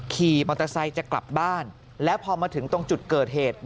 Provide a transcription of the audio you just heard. ขี่มอเตอร์ไซค์จะกลับบ้านแล้วพอมาถึงตรงจุดเกิดเหตุ